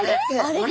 あれ？